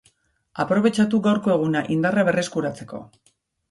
Aprobetxatu gaurko eguna indarra berreskuratzeko.